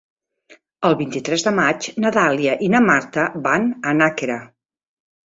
El vint-i-tres de maig na Dàlia i na Marta van a Nàquera.